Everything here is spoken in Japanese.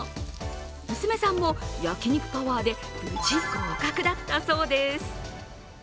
娘さんも焼き肉パワーで無事合格だったそうです。